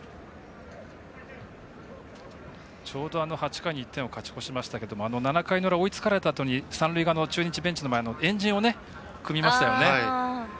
ちょうど８回に１点を勝ち越しましたけど７回の裏、追いつかれたあと三塁側の中日ベンチの前で円陣を組みましたよね。